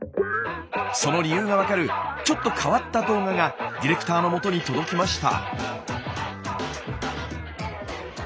その理由が分かるちょっと変わった動画がディレクターのもとに届きました。